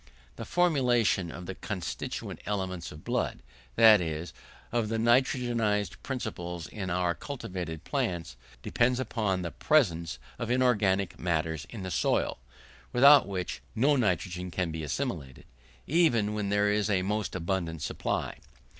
The formation of the constituent elements of blood, that is, of the nitrogenised principles in our cultivated plants, depends upon the presence of inorganic matters in the soil, without which no nitrogen can be assimilated even when there is a most abundant supply.